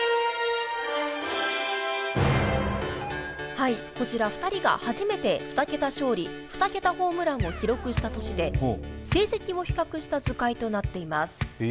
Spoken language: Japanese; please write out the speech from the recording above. はいこちら２人が初めて２桁勝利２桁ホームランを記録した年で成績を比較した図解となっています。